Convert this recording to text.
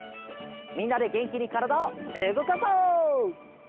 みんなでげんきにからだをうごかそう！